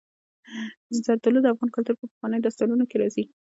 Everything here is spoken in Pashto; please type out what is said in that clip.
زردالو د افغان کلتور په پخوانیو داستانونو کې راځي.